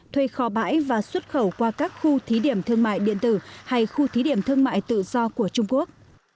thuê kho bãi và xuất khẩu qua các khu thí điểm thương mại điện tử hay khu thí điểm thương mại tự do của trung quốc